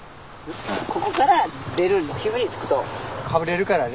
ここから出る指につくとかぶれるからね。